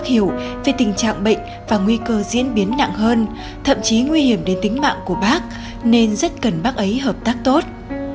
hiểu về tình trạng bệnh và nguy cơ diễn biến nặng hơn thậm chí nguy hiểm đến tính mạng của bác nên rất cần bác ấy hợp tác tốt